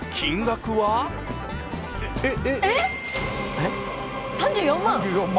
「えっ３４万！？」